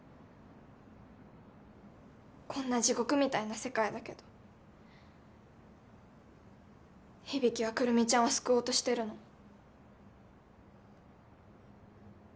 こんな地獄みたいな世界だけど響は来美ちゃんを救おうとしてるの。